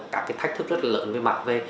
các thách thức rất lớn về mạng về